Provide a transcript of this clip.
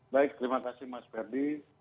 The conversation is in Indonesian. baik terima kasih mas ferdi